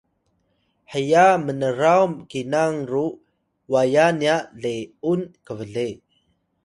heya mnraw kinang ru waya nya le’un kble